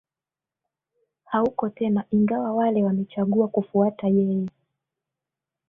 hauko tena ingawa wale wamechagua kufuata yeye